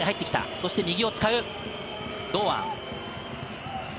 そして右を使う、堂安。